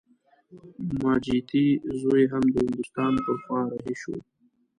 ماجتي زوی هم د هندوستان پر خوا رهي شو.